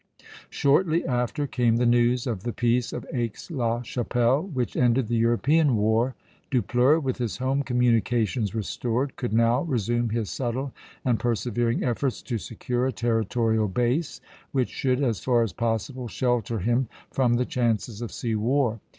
Shortly after came the news of the Peace of Aix la Chapelle, which ended the European war. Dupleix, with his home communications restored, could now resume his subtle and persevering efforts to secure a territorial base which should, as far as possible, shelter him from the chances of sea war.